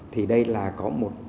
thì đây là có một